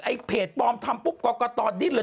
ไอ้เพจปลอมทำปุ๊บก็ก็ตอดิดเลย